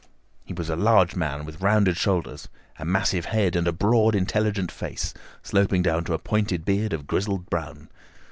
He was a large man with rounded shoulders, a massive head, and a broad, intelligent face, sloping down to a pointed beard of grizzled brown.